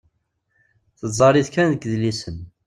Tezzar-it kan deg yidlisen.